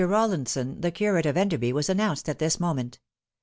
Rollinson, the curate of Enderby, was announced at this moment.